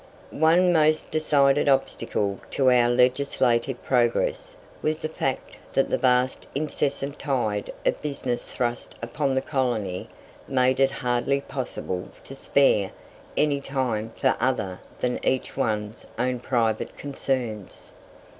One most decided obstacle to our legislative progress was the fact that the vast incessant tide of business thrust upon the colony made it hardly possible to spare any time for other than each one's own private concerns.